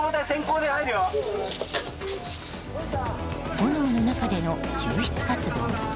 炎の中での救出活動。